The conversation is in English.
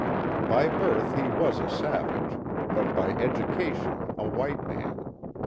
By birth he was a savage, but by education a white man.